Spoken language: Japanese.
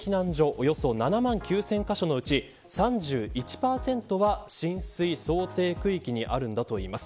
およそ７万９０００カ所のうち３１％は浸水想定区域にあるんだといいます。